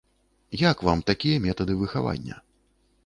Як вам такія метады выхавання?